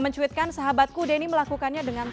mencuitkan sahabatku denny melakukannya dengan